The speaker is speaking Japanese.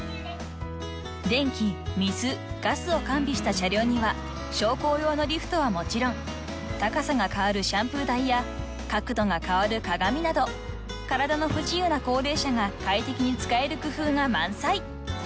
［電気水ガスを完備した車両には昇降用のリフトはもちろん高さが変わるシャンプー台や角度が変わる鏡など体の不自由な高齢者が快適に使える工夫が満載！］